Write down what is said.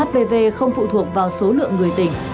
hpv không phụ thuộc vào số lượng người tình